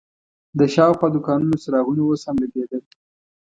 د شاوخوا دوکانونو څراغونه اوس هم لګېدل.